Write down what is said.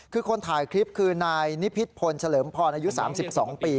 คือคนถ่ายคลิปคือนายนิพิษพลเฉลิมพรอายุ๓๒ปี